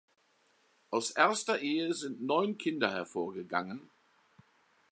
Aus erster Ehe sind neun Kinder hervorgegangen.